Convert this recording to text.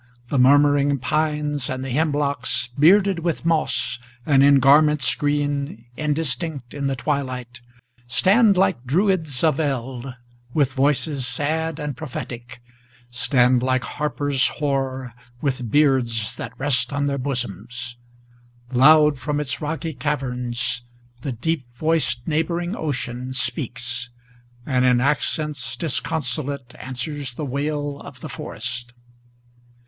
The murmuring pines and the hemlocks, Bearded with moss, and in garments green, indistinct in the twilight, Stand like Druids of eld, with voices sad and prophetic, Stand like harpers hoar, with beards that rest on their bosoms. Loud from its rocky caverns, the deep voiced neighboring ocean Speaks, and in accents disconsolate answers the wail of the forest.